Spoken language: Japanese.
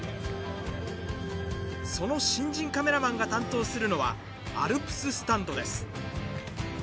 その新人カメラマンが担当するのはアルプススタンドです。